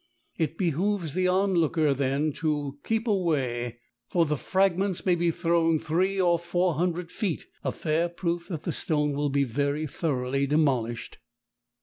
It behoves the onlooker then to keep away, for the fragments may be thrown three or four hundred feet, a fair proof that the stone will be very thoroughly demolished.